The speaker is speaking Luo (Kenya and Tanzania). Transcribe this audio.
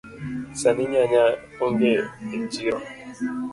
Sani nyanya onge echiro.